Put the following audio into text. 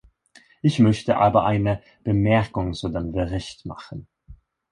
Ich möchte aber eine Bemerkung zu dem Bericht machen.